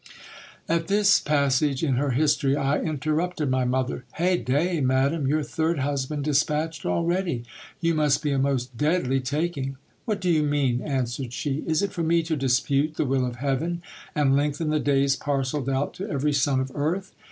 At this passage inher history, I interrupted my mother. Heyday ! madam, your third husband dispatched already ? You must be a most deadly taking. What do you mean ? answered she : is it for me to dispute the will of heaven, and lengthen the days parcelled out to every son of earth